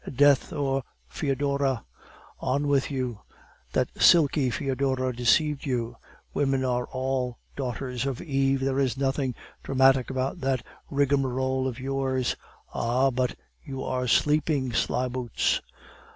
"Death or Foedora! On with you! That silky Foedora deceived you. Women are all daughters of Eve. There is nothing dramatic about that rigmarole of yours." "Ah, but you were sleeping, slyboots."